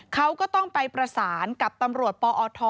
เขาก็ต้องไปประสานกับตำรวจปอท